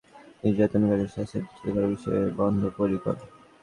আমরা সরকারের পক্ষ থেকে শিশু নির্যাতনকারীদের শাস্তি নিশ্চিত করার বিষয়ে বদ্ধপরিকর।